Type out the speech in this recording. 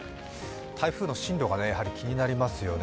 台風の進路が気になりますよね。